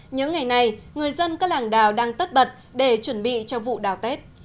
những ngày này người dân các làng đào đang tất bật để chuẩn bị cho vụ đào tết